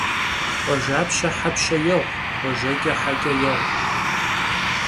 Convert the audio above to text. Къуажапщэ хьэпщэ егъу, къуажэкӀэ хьэкӀэ егъу.